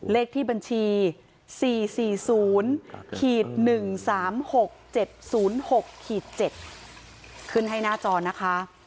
เลขที่บัญชี๔๔๐๑๓๖๗๐๖๗ขึ้นให้หน้าจอนะคะ